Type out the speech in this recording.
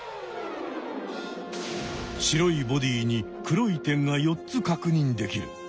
白いボディーに黒い点が４つかくにんできる。